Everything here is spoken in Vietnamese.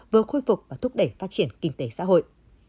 vừa khôi phục và thúc đẩy phát triển kinh tế xã hội